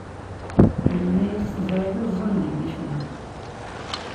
Yenna-yas teẓriḍ iẓẓan di Micli!